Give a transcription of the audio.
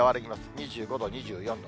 ２５度、２４度。